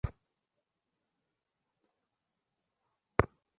অনেক ক্ষেত্রে পরিবারের লোকজন প্রতিবন্ধী ব্যক্তিদের ভোটার হিসেবে তালিকাভুক্তও হতে দেন না।